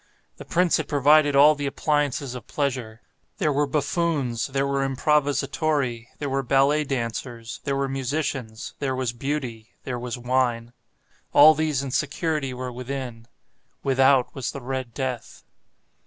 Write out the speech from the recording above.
The prince had provided all the appliances of pleasure. There were buffoons, there were improvisatori, there were ballet dancers, there were musicians, there was Beauty, there was wine. All these and security were within. Without was the "Red Death."